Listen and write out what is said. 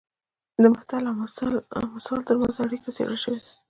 د متل او مثل ترمنځ اړیکه څېړل شوې ده